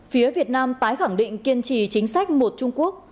một mươi phía việt nam tái khẳng định kiên trì chính sách một trung quốc